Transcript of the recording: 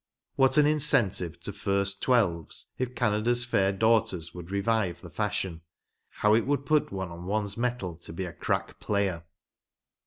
What an incentive to first twelves if Canadi. s fair daughters would revive the fashion 1 How it would put one on one's mettle to be a crack player